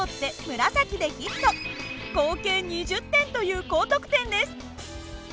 合計２０点という高得点です。